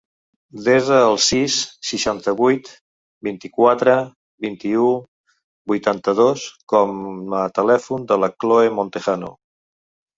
Desa el sis, setanta-vuit, vint-i-quatre, vint-i-u, vuitanta-dos com a telèfon de la Chloe Montejano.